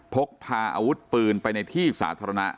พกพาอาวุธปืนไปในที่สาธารณะ